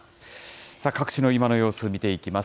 各地の今の様子、見ていきます。